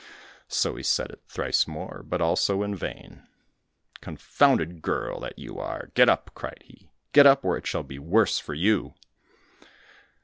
So he said it thrice more, but also in vain: "Confounded girl that you are, get up!" cried he, "Get up, or it shall be worse for you!"